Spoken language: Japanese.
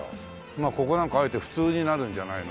まあここなんかあえて普通になるんじゃないの？